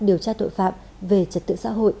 điều tra tội phạm về trật tự xã hội